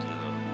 nah ini dia